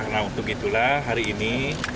nah untuk itulah hari ini